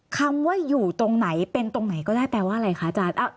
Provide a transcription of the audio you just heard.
คำว่าอยู่ตรงไหนเป็นตรงไหนก็ได้แปลว่าอะไรคะอาจารย์